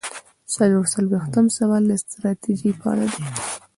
څلور څلویښتم سوال د ستراتیژۍ په اړه دی.